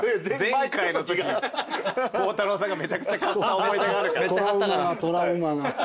前回のときに孝太郎さんがめちゃくちゃ買った思い出があるから。